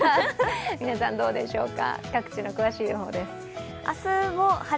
皆さん、どうでしょうか。